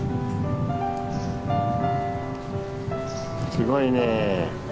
すごいね。